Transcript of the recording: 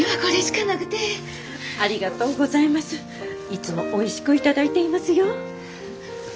いつもおいしく頂いていますよ。